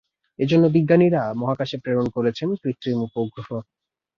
এজন্য বিজ্ঞানীরা মহাকাশে প্রেরন করেছেন কৃত্রিম উপগ্রহ।